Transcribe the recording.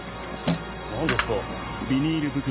何ですか？